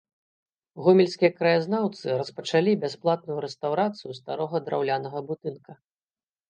Гомельскія краязнаўцы распачалі бясплатную рэстаўрацыю старога драўлянага будынка.